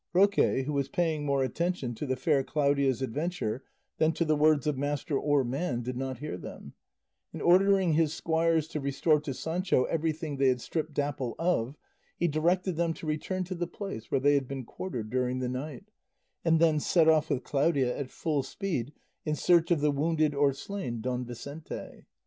Roque, who was paying more attention to the fair Claudia's adventure than to the words of master or man, did not hear them; and ordering his squires to restore to Sancho everything they had stripped Dapple of, he directed them to return to the place where they had been quartered during the night, and then set off with Claudia at full speed in search of the wounded or slain Don Vicente.